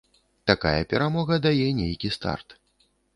Такая перамога дае нейкі старт.